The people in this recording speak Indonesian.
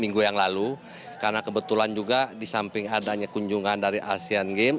minggu yang lalu karena kebetulan juga di samping adanya kunjungan dari asean games